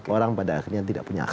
orang pada akhirnya tidak punya hak